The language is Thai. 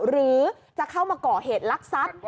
หรือจะเข้ามาก่อเหตุลักษัพ